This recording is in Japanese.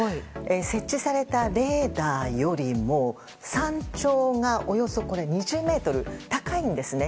設置されたレーダーよりも山頂が２０ｍ高いんですね。